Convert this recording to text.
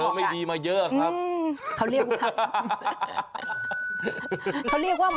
เธอไม่ดีมาเยอะครับ